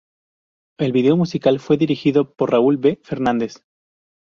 El video musical fue dirigido por Raúl B. Fernández.